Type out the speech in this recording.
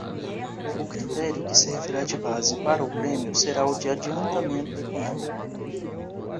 O critério que servirá de base para o prêmio será o de adiantamento econômico.